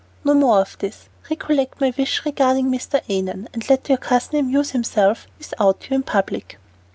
No more of this; recollect my wish regarding Mr. Annon, and let your cousin amuse himself without you in public."